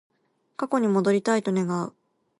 過去に戻りたいと願う